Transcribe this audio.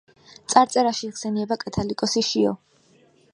წარწერაში იხსენიება კათალიკოსი შიო.